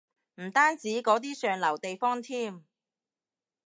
唔單止嗰啲上流地方添